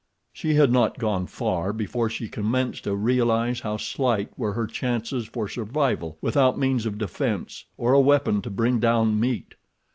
She had not gone far before she commenced to realize how slight were her chances for survival without means of defense or a weapon to bring down meat.